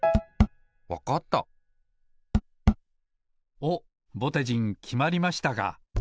おっぼてじんきまりましたか。